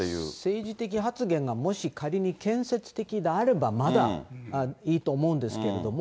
政治的発言がもし仮に建設的であればまだいいと思うんですけれども、